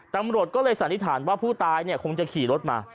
ตำรวจก็เลยสันนิษฐานว่าผู้ตายคงจะขี่รถมา